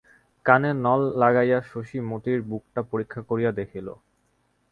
কানে নল লাগাইয়া শশী মতির বুকটা পরীক্ষা করিয়া দেখিল।